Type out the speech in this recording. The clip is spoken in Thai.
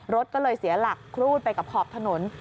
รถก็เลยเสียหลักครูดไปกับขอบถนน